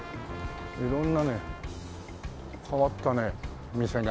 色んなね変わったね店が。